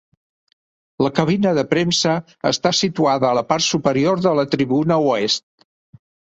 La cabina de premsa està situada a la part superior de la tribuna oest.